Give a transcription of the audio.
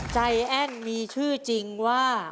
ใจแอ้นมีชื่อจริงว่า